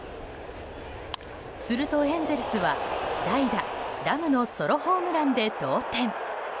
するとエンゼルスは代打、ラムのソロホームランで同点。